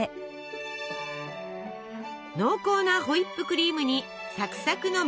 濃厚なホイップクリームにサクサクのメレンゲ。